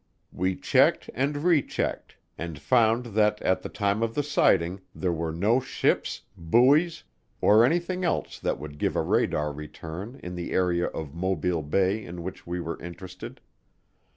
We checked and rechecked and found that at the time of the sighting there were no ships, buoys, or anything else that would give a radar return in the area of Mobile Bay in which we were interested.